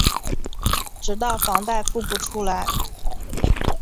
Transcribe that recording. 直到房贷付不出来